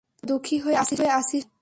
তো, দুঃখী হয়ে আছিস কেন?